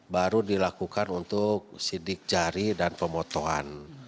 baru dilakukan untuk sidik jari dan pemotohan